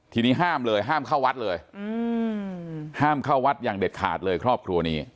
ทีนี้ห้ามเลยห้ามเข้าวัดเลยห้ามเข้าวัดอย่างเด็ดขาดเลยครอบครัวนี้